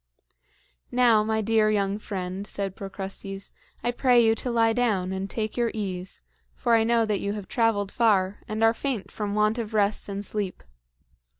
"Now, my dear young friend," said Procrustes, "I pray you to lie down and take your ease; for I know that you have traveled far and are faint from want of rest and sleep.